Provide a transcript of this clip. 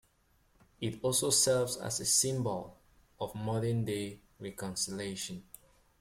It also serves as a symbol of modern-day reconciliation.